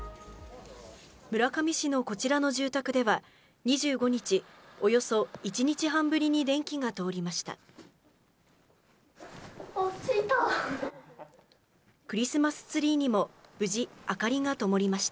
村上市のこちらの住宅では、２５日、およそ１日半ぶりに電気が通りました。